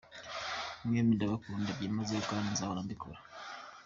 Mwembi ndabakunda byimazeyo kandi nzahora mbikora.